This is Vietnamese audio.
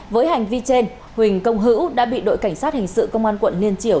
với hành vi trên huỳnh công hữu đã bị đội cảnh sát hình sự công an quận liên triểu